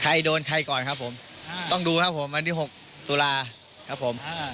ใครโดนใครก่อนครับผมต้องดูครับผมวันที่๖ตุลาครับผม